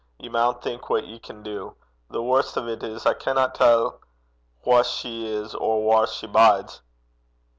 Ye maun think what ye can do. The warst o' 't is I canna tell wha she is or whaur she bides.'